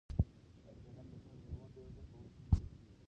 دا کیله تر نورو مېوو ډېر ژر په وجود کې جذبیږي.